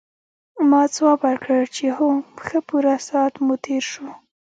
ما ځواب ورکړ چې هو ښه پوره ساعت مو تېر شو.